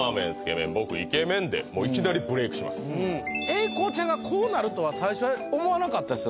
英孝ちゃんがこうなるとは最初は思わなかったですよ